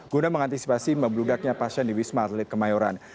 guna mengantisipasi membludaknya pasien di wisma atlet kemayoran